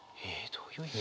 どういう意味？